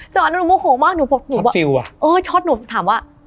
จังหวะนั้นหนูโมโหมากหนูชอบซิลว่ะเออชอบหนูถามว่า